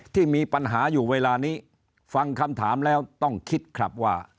ที่มีปัญหาอยู่เวลานี้ฟังคำถามแล้วต้องคิดครับว่า